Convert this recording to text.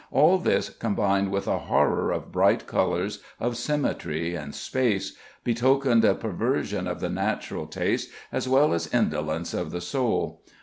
All this, combined with a horror of bright colours, of symmetry, and space, betokened a perversion of the natural taste as well as indolence of the soul.